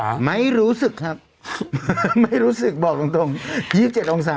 ไม่รู้สึกครับไม่รู้สึกบอกตรงตรงยี่สิบเจ็ดองศา